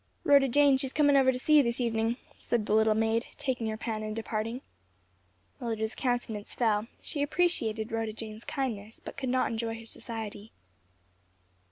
"Rhoda Jane, she's comin' over to see you this evenin'," said the little maid, taking her pan and departing. Mildred's countenance fell; she appreciated Rhoda Jane's kindness; but could not enjoy her society.